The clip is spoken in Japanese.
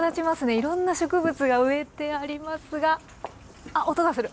いろんな植物が植えてありますがあっ音がする。